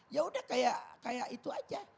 ya udah kayak itu aja